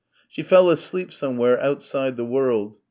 She fell asleep somewhere outside the world.